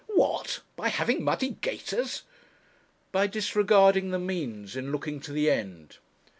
'What! by having muddy gaiters?' 'By disregarding the means in looking to the end.'